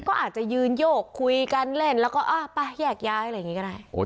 ก็อาจจะยืนโยกคุยกันเล่นแล้วก็ไปแยกย้ายอะไรอย่างนี้ก็ได้